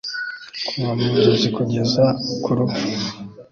Kuva mu nzozi kugeza ku rupfu